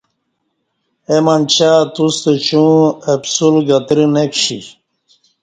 اے منچہ توستہ شیو ں اَپ سل گترہ نہ کشی